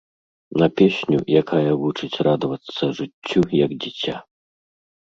На песню, якая вучыць радавацца жыццю як дзіця.